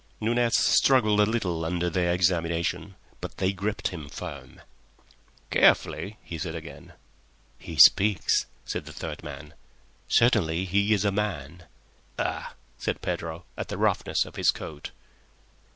Nunez struggled a little under their examination, but they gripped him firm. "Carefully," he said again. "He speaks," said the third man. "Certainly he is a man." "Ugh!" said Pedro, at the roughness of his coat.